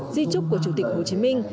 di trúc của chủ tịch hồ chí minh